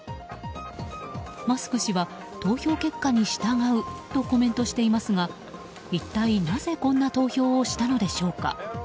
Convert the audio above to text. マスク氏は投票結果に従うとコメントしていますが一体なぜこんな投票をしたのでしょうか。